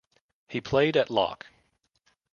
He played at Lock.